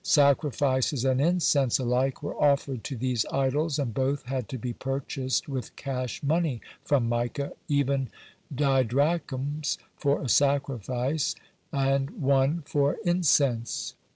Sacrifices and incense alike were offered to these idols, and both had to be purchased with cash money from Micah, even didrachms for a sacrifice, and one for incense.